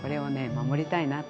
守りたいなと。